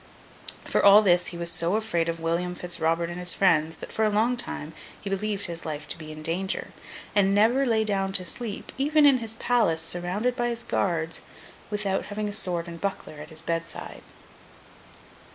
For all this, he was so afraid of William Fitz Robert and his friends, that, for a long time, he believed his life to be in danger; and never lay down to sleep, even in his palace surrounded by his guards, without having a sword and buckler at his bedside.